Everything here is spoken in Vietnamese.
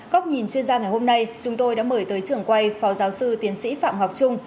góc nhìn chuyên gia ngày hôm nay chúng tôi đã mời tới trường quay phó giáo sư tiến sĩ phạm ngọc trung